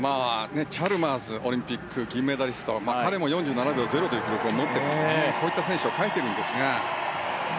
チャルマースオリンピック銀メダリスト彼も４７秒０という記録も持っていてこういった選手を欠いているんですが。